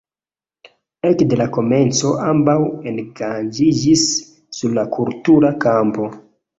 Ekde la komenco ambaŭ engaĝiĝis sur la kultura kampo.